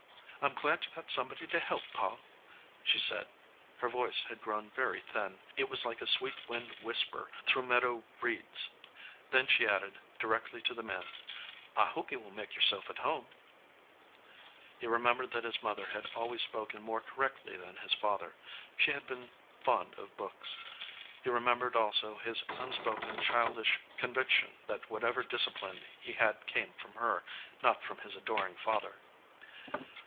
"Pm glad you ve got somebody to help, Pa," she said. Her voice had grown very thin. It was like a sweet wind whisper through meadow reeds, 302 "A RETREAT TO THE GOAL" Then she added, directly to the man, "I hope you will make yourself at home." He remembered that his mother had always spoken more correctly than his father. She had been fond of books. He remembered also his un spoken childish conviction that whatever discipline he had came from her, not from his adoring father.